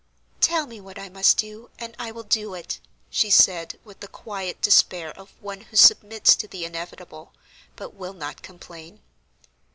"Tell me what I must do, and I will do it," she said, with the quiet despair of one who submits to the inevitable, but will not complain.